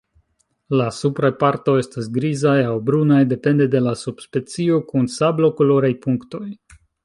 La supraj partoj estas grizaj aŭ brunaj, depende de la subspecio, kun sablokoloraj punktoj.